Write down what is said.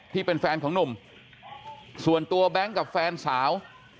ที่เป็นแฟนของหนุ่มส่วนตัวแบงค์กับแฟนสาว